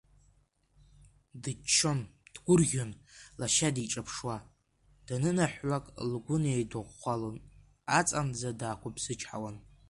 Дыччон, дгәырӷьон лашьа диҿаԥшуа, данынаҳәлак лгәы неидыӷәӷәалон, аҵанӡа даақәыԥсычҳауан.